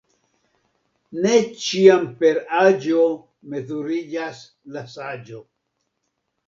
Ne ĉiam per aĝo mezuriĝas la saĝo.